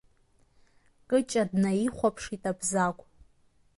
Кыҷа днаихәаԥшит Абзагә.